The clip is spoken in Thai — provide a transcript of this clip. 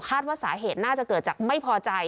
ว่าสาเหตุน่าจะเกิดจากไม่พอใจ